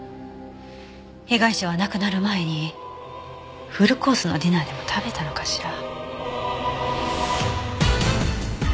被害者は亡くなる前にフルコースのディナーでも食べたのかしら？